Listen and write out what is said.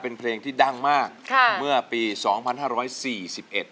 เป็นเพลงที่ดังมากค่ะเมื่อปีสองพันห้าร้อยสี่สิบเอ็ด